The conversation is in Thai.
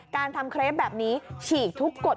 การทำเครปแบบนี้ฉีกทุกกฎ